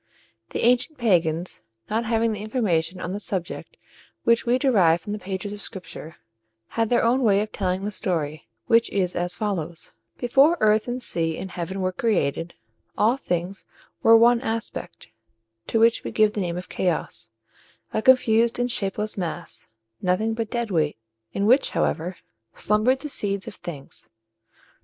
The ancient pagans, not having the information on the subject which we derive from the pages of Scripture, had their own way of telling the story, which is as follows: Before earth and sea and heaven were created, all things wore one aspect, to which we give the name of Chaos a confused and shapeless mass, nothing but dead weight, in which, however, slumbered the seeds of things.